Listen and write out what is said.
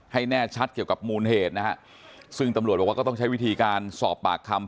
ให้แน่ชัดเกี่ยวกับมูลเหตุนะฮะซึ่งตำรวจบอกว่าก็ต้องใช้วิธีการสอบปากคำ